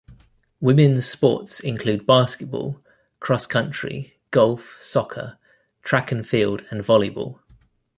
Women's sports include basketball, cross country, golf, soccer, track and field and volleyball.